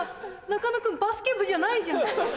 中野君バスケ部じゃないじゃん。